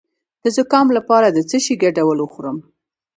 د زکام لپاره د څه شي ګډول وخورم؟